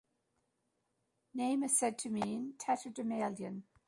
Name is said to mean Tatterdemalion.